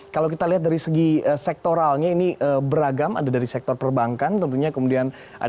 kalau kita lihat dari segi sektoralnya ini beragam ada dari sektor perbankan tentunya kemudian ada